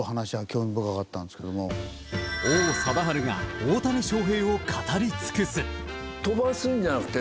王貞治が大谷翔平を語り尽くす。